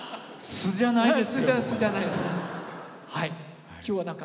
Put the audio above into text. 素じゃないです。